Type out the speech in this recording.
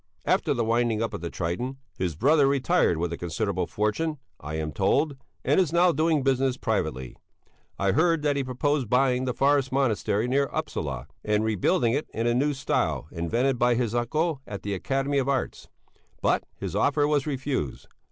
After the winding up of the "Triton," his brother retired with a considerable fortune, I am told, and is now doing business privately. I heard that he proposed buying the forest monastery near Upsala, and rebuilding it in a new style invented by his uncle of the Academy of Arts. But his offer was refused.